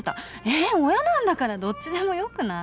え親なんだからどっちでもよくない？